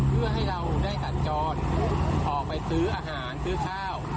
เพื่อให้เราได้สัญจรออกไปซื้ออาหารซื้อข้าว